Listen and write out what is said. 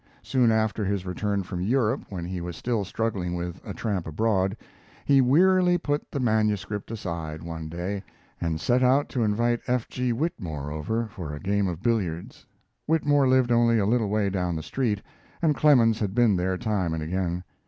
Soon after his return from Europe, when he was still struggling with 'A Tramp Abroad', he wearily put the manuscript aside, one day, and set out to invite F. G. Whitmore over for a game of billiards. Whitmore lived only a little way down the street, and Clemens had been there time and again.